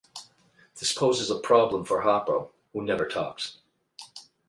This poses a problem for Harpo, who never talks.